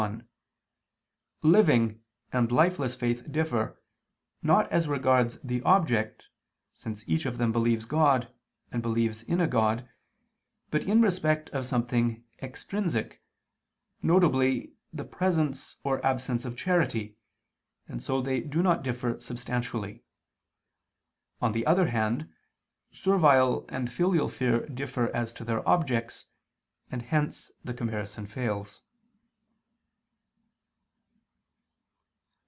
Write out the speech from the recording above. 1: Living and lifeless faith differ, not as regards the object, since each of them believes God and believes in a God, but in respect of something extrinsic, viz. the presence or absence of charity, and so they do not differ substantially. On the other hand, servile and filial fear differ as to their objects: and hence the comparison fails.